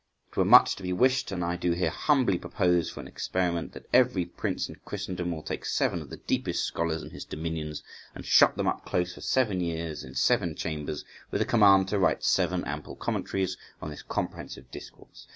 It were much to be wished, and I do here humbly propose for an experiment, that every prince in Christendom will take seven of the deepest scholars in his dominions and shut them up close for seven years in seven chambers, with a command to write seven ample commentaries on this comprehensive discourse.